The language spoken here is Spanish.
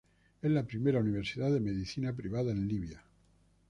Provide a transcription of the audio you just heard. Es la primera universidad de medicina privada en Libia.